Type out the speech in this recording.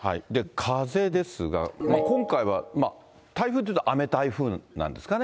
風ですが、今回は台風というと雨台風なんですかね。